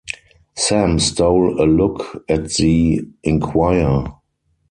Sam stole a look at the inquirer.